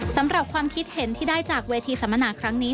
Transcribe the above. สำหรับความคิดเห็นที่ได้จากเวทีสัมมนาครั้งนี้